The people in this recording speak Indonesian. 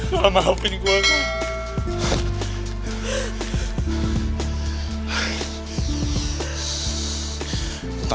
udah lama hapin gua